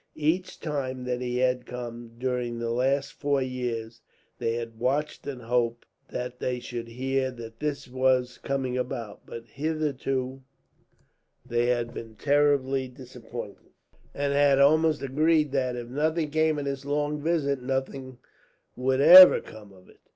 Each time that he had come, during the last four years, they had watched and hoped that they should hear that this was coming about; but hitherto they had been terribly disappointed, and had almost agreed that, if nothing came of this long visit, nothing would ever come of it.